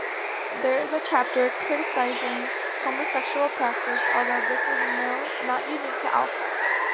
There is a chapter criticising homosexual practice, although this is not unique to Alpha.